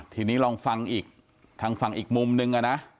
ทีนี้ลองฟังอีกทางฝั่งอีกมุมนึงนะ